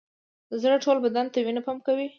زړه ټول بدن ته وینه پمپ کوي